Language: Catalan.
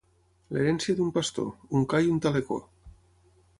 L'herència d'un pastor: un ca i un talecó.